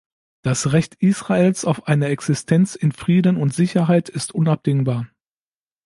Das Recht Israels auf eine Existenz in Frieden und Sicherheit ist unabdingbar.